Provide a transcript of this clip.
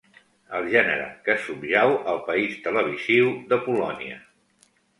El gènere que subjau al país televisiu de Polònia.